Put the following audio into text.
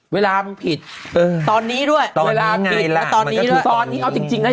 เวลามันผิดตอนนี้ด้วยเวลามันผิดตอนนี้เอาจริงนะ